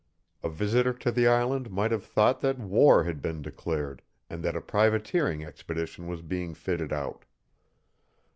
A visitor to the island might have thought that war had been declared and that a privateering expedition was being fitted out.